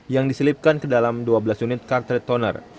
yang diselipkan ke dalam dua belas unit cartrid toner